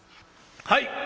「はい！